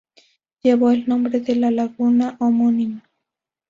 Llevó el nombre de la laguna homónima.